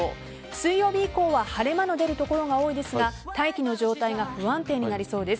水曜日以降は晴れ間の出る所が多いですが大気の状態が不安定になりそうです。